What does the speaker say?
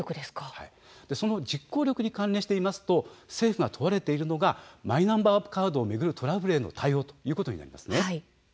その実行力に関連して言いますと政府が問われているのがマイナンバーカードを巡るトラブルへの対応ということになります。